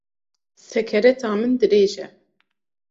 Sekereta min dirêj e